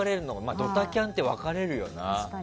ドタキャンは分かれるよな。